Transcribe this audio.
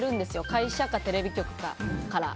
会社かテレビ局とかから。